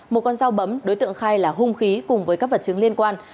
một con dao bấm đối tượng khai là hung khí cùng với các vật chứng liên quan